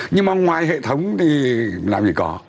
nhưng mà ngoài hệ thống thì làm gì có